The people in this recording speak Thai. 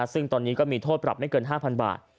ซึ่งตอนนี้ก็มีโทษปรับไม่เกิน๕๐๐บาท